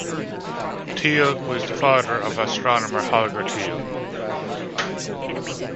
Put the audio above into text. Thiele was the father of astronomer Holger Thiele.